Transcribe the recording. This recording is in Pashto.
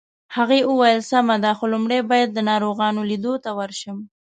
هغې وویل: سمه ده، خو لومړی باید د ناروغانو لیدو ته ورشم.